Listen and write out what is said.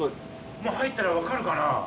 もう入ったらわかるかな？